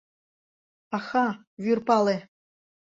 Аха, вӱр пале!